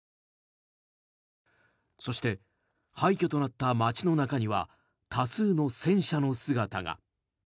そして、廃虚となった街の中には多数の戦車の姿が。